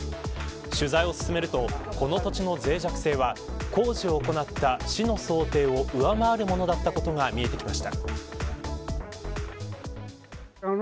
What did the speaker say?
取材を進めるとこの土地の脆弱性は工事を行った市の想定を上回るものだったことが見えてきました。